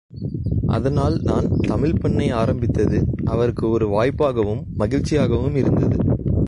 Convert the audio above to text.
அதனால் நான் தமிழ்ப்பண்ணை ஆரம்பித்தது அவருக்கு ஒரு வாய்ப்பாகவும் மகிழ்ச்சியாகவும் இருந்தது.